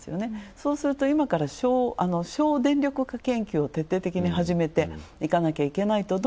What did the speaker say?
そうすると今から省電力化研究を徹底的にはじめていかなきゃいけない。